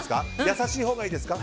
優しいほうがいいですか？